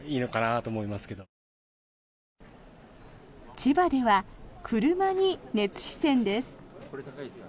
千葉では、車に熱視線です。